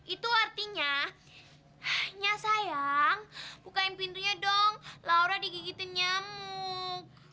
itu artinya ya sayang bukain pintunya dong laura digigitin nyamuk